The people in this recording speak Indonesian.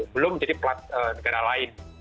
belum jadi plat negara lain